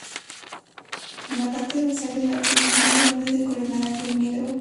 En la parte dorsal del abdomen tiene bandas de color naranja y negro.